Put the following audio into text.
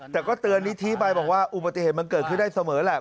แต่ก็เตือนนิธิไปบอกว่าอุบัติเหตุมันเกิดขึ้นได้เสมอแหละ